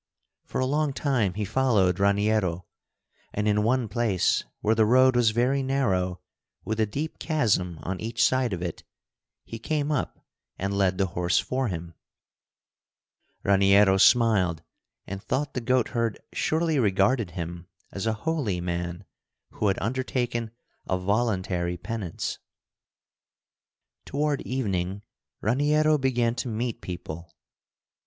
For a long time he followed Raniero, and in one place, where the road was very narrow, with a deep chasm on each side of it, he came up and led the horse for him. Raniero smiled and thought the goatherd surely regarded him as a holy man who had undertaken a voluntary penance. Toward evening Raniero began to meet people.